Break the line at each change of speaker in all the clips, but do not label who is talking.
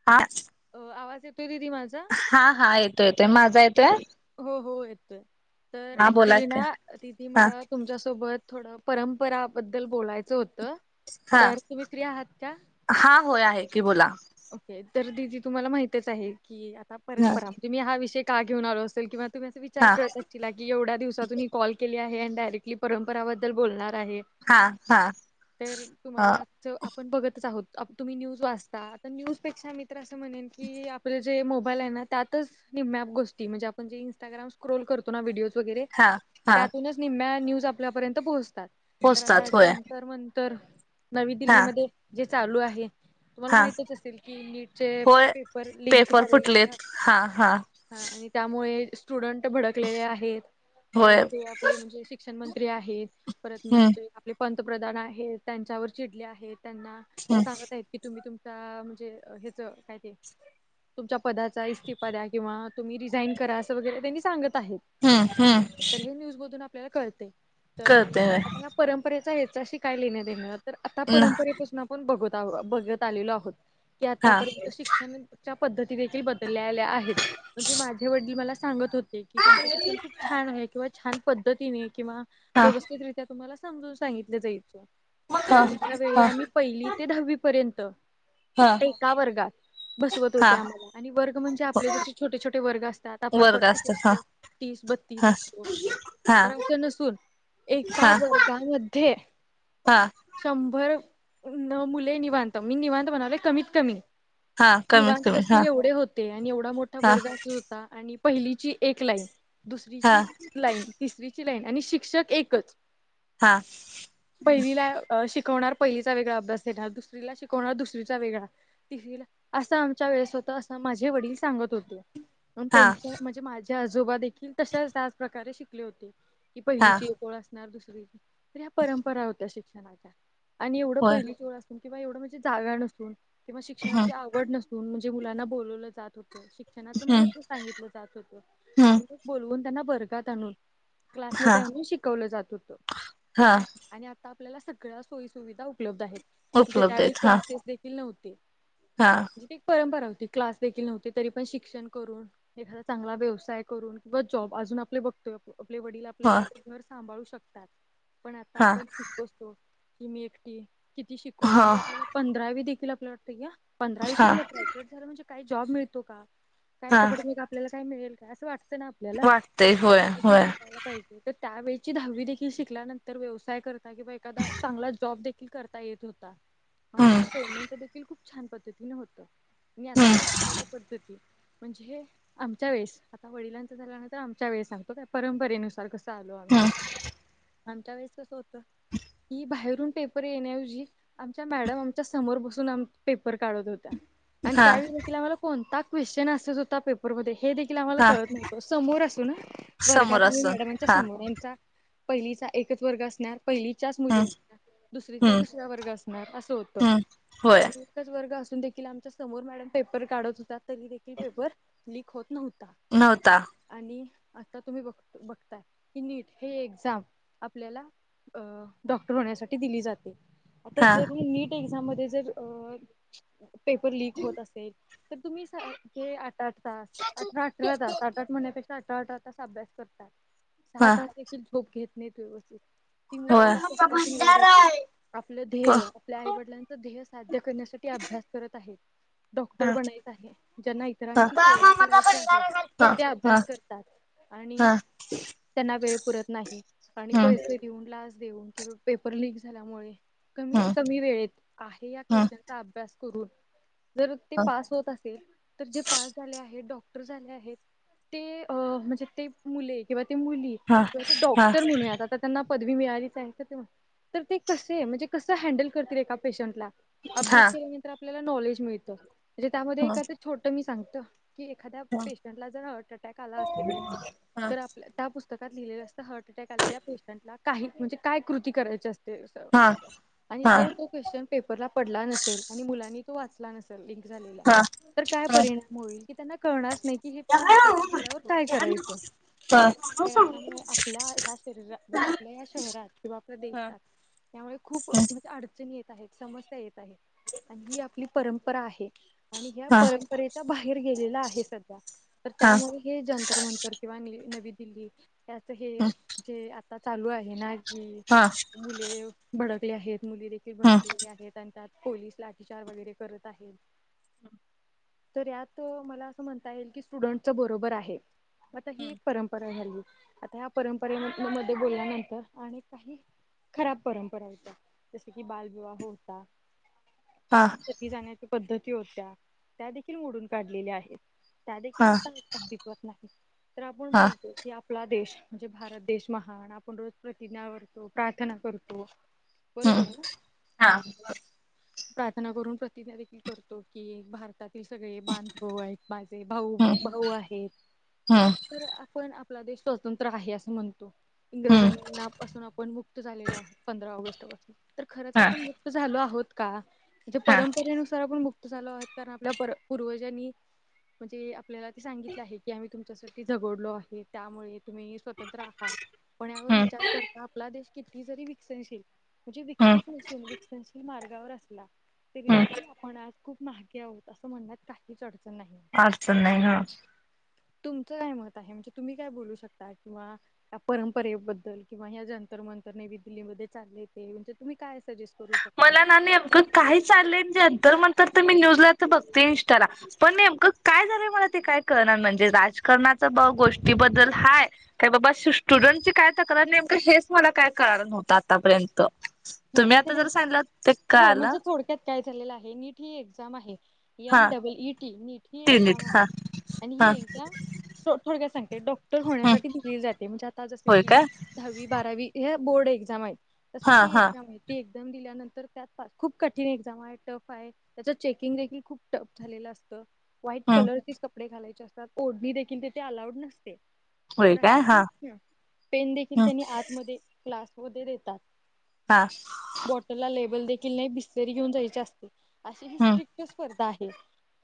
ह
अ आवाज येतोय दिदी माझा
हा हा येतो येतोय माझा येतोय
हो हो येतोय तर
हा बोला
ऍक्च्युली
की
ना दिदी
हा
मला तुमच्यासोबत थोडं परंपराबद्दल बोलायचं होतं
हा
तर तुम्ही फ्री आहात का
हा होय आहे की बोला
ओके तर दिदी तुम्हाला माहितच आहे की आता
हा
परंपरा तुम्ही हा विषय का घेऊन आलो असेल किंवा तुम्ही आता विचार
हा
करताय तिला की एवढ्या दिवसातून ही कॉल केली आहे आणि डायरेक्टली परंपराबद्दल बोलणार आहे
हा
तर तुम्हाला आपण बघतच आहोत तुम्ही न्यूज वाचता आहात तर न्यूजपेक्षा मितर असं म्हणेन की आपले जे मोबाईल आहे ना त्यातच [unintelligible] म्यप गोष्टी म्हणजे आपण जे इंस्टाग्रा क्रोल करतो ना व्हिडिओज वगैरे
हा हा
त्यातूनच निम्या न्यूज आपल्यापर्यंत पोहोचतात तर आतां
पोचतात होय
जंतर मंतर नवी
हा
दिल्लीमध्ये जे चालू आहे तुम्हाला
हा
माहिती असे कि नीटचे
होय
पेपर लिंक
पेपर
झालेल्या नां
फुटलेत हा हा
हा आणि त्यामुळे स्टुडंट भडकलेले आहेत अ
होय
ते आपले म्हणजे शिक्षण मंत्री आहेत परत
हम्म
आप [unintelligible] पंतप्रधान आहेत त्यांच्यावर चिडले आहेत त्यांना
हम्म
सांगत आहेत की तुम्ही तुम म्हणजे ह्याच काय ते तुमच्या पदाचा इ्तीफा द्या किंवा तुम्ही रिझाईन करा असं वगैरे त्यांनी सांगत आहेत
हम्म हम्म
तर हे न्यूजमधून आपल्याला कळते तर
कळतंय
आता
होय
या परंपरेचा याच्याशी काय लेण देण तर आता परंपरेपासून आपण बघत आ बघत आलेलो आहोत की
हा
आतापर्यंत शिक्षण ज्या पद्धती देखील बदललेल्या आहेत म्हणजे माझे वडील मला सांगत होते की तुमचे शिक्षण खूप छा छान आहे किंवा छान पद्धतीने किंवा
हा
व्यवस्थितरित्या तुम्हाला समून सांगितलं जायचं तर
हा
आमच्या वेळी
हा
आम्ही पहिली ते दहावी पर्यंत
हा
एका वर्गात बसवत
हा
होते आम्हाला आणि वर्ग म्हणजे आपले जसे छोटे छोटे वर्ग असतात आपला पट
वर्ग
किती
असतात हा
असतो तीस बत्तीस
हा
असतो
हा
तर असं नसून एका
हा
वर्गामध्ये
हा
शंभर मुले निवांत मी निवांत म्हणाले कमीत कमी
हा कमीत
निवांत
कमी हा
बसतील एवढे होते आणि एवढा मोठा
हा
वर्ग अ [unintelligible] [unintelligible] अण पहिलीची एक लाईन
हा
दुसरीची लाईन तिसरीची लाईन आणि शिक्षक एकच
हा
पहीली ला शिकवणार पहिलीचा वेगळा अभ्यास देणार दुसरीला शिकवणार दुसरीचा वेगळा [unintelligible] असं आमच्या वेळेस होत असं माझे वडील सांगत होते मग
हा
त्यांच्या म्हणजे माझ्या आजोबा देखील तशाच त्याच प्रकारे शिकले होते की
हा
पहिलीची एक ओळ असणार दुसरीची [unintelligible] ह्या परंपरा होत्या शिक्षणाच्या आणि एवढं
होय
पहिली ओळ असून किंवा एवढं म्हणजे जागा नसून किंवा
हम्म
शिक्षणाची आवड नसून म्हणजे मुलांना बोललावलं जात होतं शिक्षणाच
हम्म
महत्व सांगितलं जात होत
हम्म
आणि ते बोलवून त्यांना वरगात आणून
हा
क्लासमध्ये आणुन शिकवलं जात होतं
हा
आणि आता आपल्याला सगळ्या सोयीसुविधा उपलब्ध आहेत म्हणजे
उपलब्ध
त्यावेळी
आहेत हा
क्लासेस देखील नव्हते
हा
म्हणजे एक परंपरा होती क्लास देखील नव्हती तरी पण शिक्षण करून एखादा चांगला व्यवसाय करून व जॉब अजून आपले बघतोय [unintelligible] आपले वडील आपलं
हो
एखादं घर सांभाळू शकतात पण आता
हा
आपण [unintelligible] [unintelligible] की मी एकटी किती शिकू
हा
म्हणजे आपल्याला पंधरावी देखील आपलं वाटतं य्या पंधरावी
हा
शिकल काय [unintelligible] म्हणजे काही जॉब मिळतो काय
हा
[unintelligible] [unintelligible] आपल्याला काही मिळेल का असं वाटत ना आपल्याला
वाटतय होय
अजून
होय
शिकायला पाहिजे तर त्यावेेळची दहावी देखील शिकल्यानंतर व्यवसाय करता किंवा एखादा चांगला जॉब देखील करता येत होता आणि
हम्म
त्याला पेमेंट देखील खूप छान पद्धतीने होतं मी आता
हम्म
शिकण्याच्या पद्धती म्हणजे हे आमच्या वेळेस आता वडिलांचा झाल्या नंतर आमच्या वेळेस सांगतो त्या परंपरेनुसार कसं चालो आम्ही
हम्म
आमच्या वेळेस कस होत की बाहेरून पेपर येण्याऐवजी आमच्या मॅडम आमच्या समोर बसून पेपर काढत होत्या. आणि
हा
त्यावेळी देखील आम्हाला कोणता क्वेशचन अस हुता पेपरमध्ये हे देखील आम्हाला
हा
कळत नव्हतं समोर असून ह.
समोर
वर्गात आम्ही
असून
मॅडमांच्या
हा
समोर आमचा पहिलीचा एकच वर्ग असणार पहिलीच्याच
हम्म
मुली असणार दुसरीचा
हम्म
दुसरा अस णार असं होत
हम्म होय
आणि एकच वर्ग असून देखील आमच्या समोर मॅडम पेपर काढत होत्या तरी देखील पेपर लीक होत नव्हता.
नव्हता.
आणि आता तुम्ही बघ बघताय की नीट हे एक्झाम आपल्याला अ डॉक्टर होण्यासाठी दिली जाते. आता
हा
जर हे नीट एक्झाम मध्ये जर अ पेपर लीक होत असेल तर तुम्ही स ते आठ -आठ तास अठरा -अठरा तास आठ- आठ म्हण्यापेक्षा अठरा -अठरा तास अभ्यास करतात सहा
हा
तास देखील झोप घेत नाहीत व्यवस्थित. ती मुलं एवढं कष्टातून वर येतात आपलं
होय. हो
ध्येय आपल्या आई वडिलांच ध्येय साध्य करण्यासाठी अभ्यास करत आहेत. डॉक्टर
हा
बनायच आहे ज्यांना
हा
इतरांची सेवा करायची आहे
हा
ते
हा
अभ्यास करतात. आणि
हा
त्यांना वेळ पुरत नाही आणि
हम्म
पैसे देऊन लाज देऊन किंवा पेपर लीक झाल्यामुळे कमीत
हम्म
कमी वेळेत आहे या
हम्म
क्वेशनचा अभ्यास करून जर ते पास होत असेल तर जे पास झाले आहेत डॉक् क्टर झाले आहेत ते अ म्हणजे ते मुले किंवा ते मुली
हा
किंवा ते
हा
डॉक्टर म्हणूयात आता त्यांना पदवी मिळालीच आहे ते तर ते कसे म्हणजे कसं हँडल करतील एका पेशंटला? अभ्यास
हा
केल्यानंतर आपल्याला नॉलेज मिळतं म्हणजे त्यामध्ये
हा
एक कायतर छोटं मी सांगतो की एखाद्या
हा
पेशंटला जर हर्ट अटॅक आला असेल
हा
तर आपल्या त्या पुस्तकात लिहिलेलं असतं हर्ट अटॅक आलेल्या पेशंटला काही म्हणजे काय कृती करायची असते असं.
हा
आणि
हा
जर तो क्वेश्चन पेपरला पडला नसेल आणि मुलांनी तो वाचला नसेल लिंक झालेला
हा
तर काय परिणाम होईल की त्यांना कळणारच नाही की हे
हा
हर्ट अटॅक झाल्यावर काय करायचं?? तर अशामुळे आपल्या ह्या शरीरात म्हणजे आपल्या ह्या शहरात किंवा आपल्या देशात त्यामुळे खूप म्हणजे अडचणी येत आहेत, समस्या येत आहे आणि ही आपली परंपरा आहे. आणि ह्या परंपरेच्या बाहेर गेलेला आहे सध्या तर त्यामुळे हे जंतर मंतर किंवा न नवी दिल्ली याच हे जे आता चालू आहे ना की मुले भडकले आहेत मुली देखील भडकलेल्या आहेत आणि त्यात पोलीस लाठीचार वगैरे करत आहेत. तर यात मला असं म्हणता येईल की स्टुडंटच बरोबर आहे. आता ही एक परंपरा झाली. आता तह्या परंपरे मध्ये बोलल्यानंतर आणि काही खराब परंपरा येतात. जसं कि बालविवाह होता.
हा
सती जाण्याच्या पद्धती होत्या त्या देखील मोडून काढलेल्या आहेत. त्या देखील
हा
आता अस्तित्वात नाहीत तर आपण
हा
बोलतो की आ पला देश म्हणजे भारत देश महान आपण रोज प्रतिज्ञा करतो, प्रार्थना करतो.
हम् हा हा हा हम्
बरोबर ना?
हा
प्रार्थना करून प्रतिज्ञा देखील करतो की भारतात ते सगळे बांधव आहेत. माझे भाऊ
हम्म
भाऊ आहेत.
हम्म
तर आपण आपला देश स्वतंत्र आहे असं म्हणतो.
हम्म
इंग्रजां नापासून आपण मुक मुक्त झालेलो. पंधरा ऑगस्ट पासून, तर खरंच
हा
आपण मुक्त झालो आहोत का? म्हणजे
हा
परंपरेनुसार आपण मुक्त झालो आहेत तर आपल्या पर पूर्वजांनी म्हणजे, आपल्याला ते सांगितलं आहे की आम्ही तुमच्यासाठी झगडलो आहे त्यामुळे तुम्ही स्वतंत्र आहात. पण यावर
हम्म
विचार करता आपला देश किती जरी विकसनशील म्हणजे
हम्म
विकसित नसून विकसनशील मार्गावर असला तरी
हम्म
देखील आपण आज खूप महागे आहोत असं म्हणण्यात काहीच अडचण नाही.
अडचण नाही हा
तुमचं काय मत आहे म्हणजे तुम्ही काय बोलू शकता? किंवा या परंपरेबद्दल? किंवा या जंतर मंतर नेवी दिल्लीमध्ये चालले ते म्हणजे तुम्ही काय सजेस्ट करू शकता
मला ना नेमक काही चाललंये, जतर मंतर तर मी न्यूजला तर बघते इंस्टाला पण नेमकं काय झालंय मला ते काय कळ ना म्हणजे राजकारणाचं ब गोष्टीबद्दल हाय? काय बाबा श्टूडंटची काय तक्रार नेमकं हेच मला काय कळालं नव्हतं आतापर्यंत.
हं
तुम्ही
म्हणजे
आता जर
नेमकं काय?
सांगलं ते
हो
कळालं
म्हणजे थोडक्यात काय झालेलं आहे नीट ही एक्झाम आहे यन
हा
डबल इटी, नीट ही एक्झाम
तिनीत हा
आहे आणि
हा
ही एक्झाम हो थोडक्यात सांगते, डॉक्टर
हम्म
होण्यासाठी दिली जाते, म्हणजे आता जसं
होय
की
काय
धाव्वी, बारावी ह्या बोर्ड एक्झाम आहेत, तसं
हा
ती
हा
एक्झाम आहे. ती एक्झाम दिल्यानंतर त्यात फा खूप कठीण एक्झामाय, टफय त्याच चेकिंग देखील खूप टफ झालेलं असतं व्हाईट
हम्म
कलरचेच कपडे घालायचे असतात. ओढणी देखील तिथे अलाउड नसते.
होय
तर
काय
असं की,
हा
हं, पेन देखील
हम्म
त्यांनी आतमध्ये क्लास मध्ये देतात.
हाआ
बॉटर ला लेबल देखील नाही बिसलेरी घेऊन जायची असते. अशी ही
हम्म
स्ट्रिक्ट स्पर्धा आहे.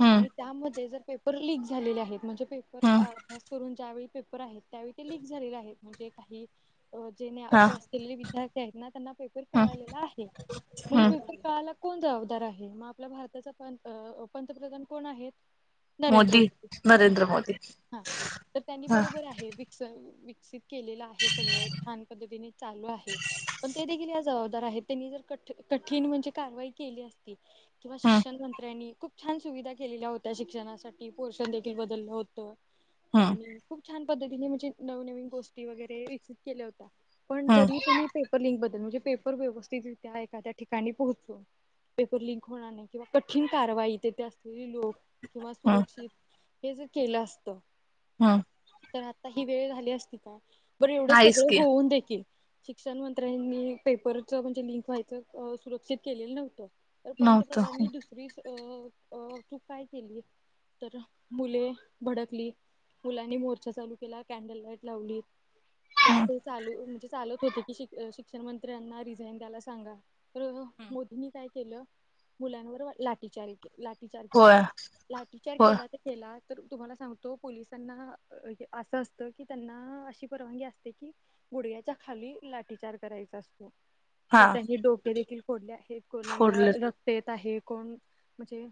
हम्म
आणि त्यामध्ये जर पेपर लीक झालेले आहेत म्हणजे, पेपर
हम्म
आ अभ्यास करून ज्यावेळी पेपर आहेत त्यावेळी लीक झालेल आहेत म्हणजे काही अ जेने
हा
अभ्यास केलेले विध्यार्थी आहेत ना त्यांना पेपर
हम्म
कळालेला आहे
हम्म
म्हणजे कळाला कोण जबाबदार आहे? मग आपला भारताचा प पंतप्रधान कोण आहेत? नरेंद्र
मोदी
म, हं,
नरेंद्र मोदी
हा तर त्यांनी
हा
बरोबर आहे बि जर विकसित केलेलं आहे सगळ, छान पद्धतीने चाल्ल आहे, पण ते देखील ते जबाबदार आहेत त्यांनी जर कठ कठीण म्हणजे कारवाई केली असती किंवा
हम्म
शिक्षण मंत्र्यांनी खूप छान सुविधा केलेल्या होत्या शिक्षणासाठी. पोर्शन देखील बदललं होतं
हम्म
आणि खूप छान पद्धतीने म्हणजे, नव नवीन गोष्टी वगेरे विकसित केल्या होत्या पण
हम्म
जरी त्यांनी पण लिंकबद्दल म्हणजे पेपर व्यवस्थितरित्या आहे का त्या ठिकाणी पोहचू पेपर लिंक होणार नाही किंवा कठठीण कारवाई, तेथे असलेली लोक किंवा
हम्म
सुरक्षित, हे जर केलं असत
हा
तर आत्ता ही वेळ झाली असती का? बर एवढं
नाहीच
सगळं
की
होऊन देखील शिक्षण मं त्र्यांनी पेपरचं म्हणजे लिंक व्हायचं सुरक्षित केलेलं नव्हतं, तर
नव्हतं
पंतप्रधाननी दुसरं का मिस अ अ तू काय केली, तर मुले भडकली. मुलांनी मोर्चा चालू केला, कॅन्डल लाईट लावली. तर तो चालू म्हणजे चालत होतो की, शिक शिक्षण मंत्र्यांना रिझाईन द्यायला सांगा. तरह मोदींनी काय केलं, मुलांवर लाठीचारी लाठीचार केला.
होय
लाठीचार
होय
केला. ते - केला तर तुम्हाला सांगतो. पोलिसांना हे असं असत की, त्यांना अशी परवानगी असते की, गुडग्याच्या खाली लाट विचार करायचा असतो.
हा
तर त्यांनी डोके देखील फोडले आहे. कोणात
फोडलेत
रक क्त येत आहे. कोण म्हणजे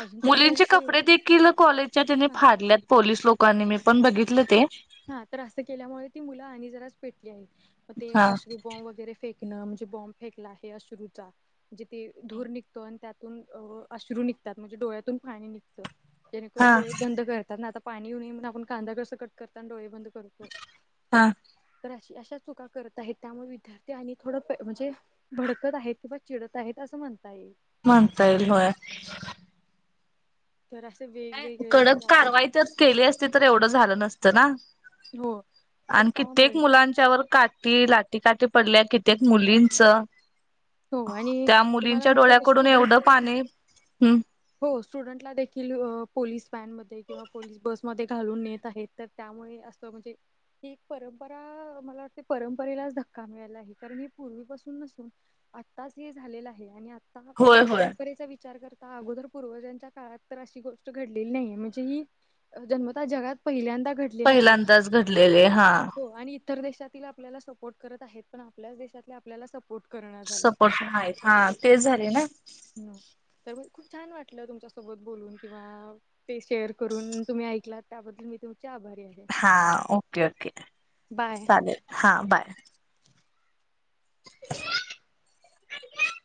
अजून तरी काय
मुलींचे
असं
कपडे
एवढं
देखील कॉलेजच्या त्यांने
हा
फाडल्यात पोलीस लोकांनी मी पण बघितलं ते
हा तर असं केल्यामुळे ती मुलं आणि जराच पेटली आहेत. म ते
हा
अश्रू बॉम्ब वगैरे फेकणं, म्हणजे बॉमब फेकला आहे अश्रू चा म्हणजे ते धूर निघतो. आणि त्यातून अ अश्रू निघतात. म्हणजे डोळ्यातून पाणी निगतं.
हा
जेणेकरून डोळे बंद करतात ना, आता पाणी येऊ नये म्हणून आपण कांदा कसं कट करतांना डोळे बंद कर तो
हा
तर अशी अशा चुका करत आहेत. त्यामुळ विद्यार्थी आणि थोड पे म्हणजे भडकत आहेत. किंवा चिडत आहेत. असं म्हणता येईल.
म्हणता येईल होय.
तर असे वेगवेगळे म्हणजे आपल्या
त्यात केले असत तर एवढं झालं नसतं ना
हो तर
आणि कित्येक
त्यामुळे तर
मुलांच्यावर काट टी लाटी काठी पडल्या. कित्येक मुलींचं
हो आणि
त्या
तुम्हाला
मुलींच्या
माहित असेल
डोळ्याकडून एवढं
स्टुडंट
पाणी हम्म
हो स्टुडंटला देखील अ पोलीस व्हॅनमध्ये किंवा पोलीस बस मध्ये घालून नेत आहेत. तर त्यामुळे असं म्हणजे ही एक परंपरा मला वाटते परंपरेलाच धक्का मिळायला आहे. कारण हे पूर्वीपासून नसून आत्ताच हे झालेलं आहे. आणि आता
होय होय
परंपरेचा विचार कर ता अगोदर पूर्वजांच्या काळात तर अशी गोष्ट घडलेली नाहीेये. म्हणजे ही अ जन्मता जगात पहिल्यांदा घड
पहिल्यांदाच घडलेले हा
आणि इतर देशातील आपल्याला सपोर्ट करत आहेत. पण आपल्याच देशातले आपल्याला सपोर्ट कर न
सपोर्ट नाहीत. हा तेच झाले ना
नो. तर म खूप छान वाटलं तुमच्यासोबत बोलून किंवा ते शेअर करून, तुम्ही ऐकलात त्याबद्दल मी तुमची आभारी आहे.
हा ओके ओके,
बाय.
चालेल हा बाय [inaudible]